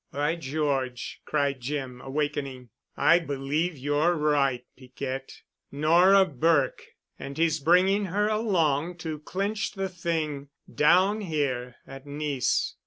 "By George!" cried Jim, awakening. "I believe you're right, Piquette. Nora Burke! And he's bringing her along to clinch the thing—down here—at Nice."